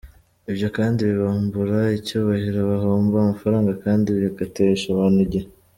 Ibyo kandi bibambura icybahiro, bahomba amafaranga kandi bigatesha abantu igihe.